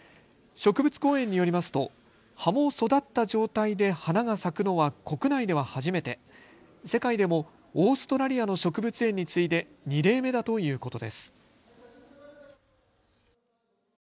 植物公園によりますと葉も育った状態で花が咲くのは国内では初めて、世界でもオーストラリアの植物園に次いで２例目だということです。